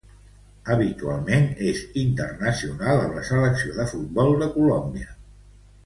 Habitualment és internacional amb la selecció de futbol de Colòmbia.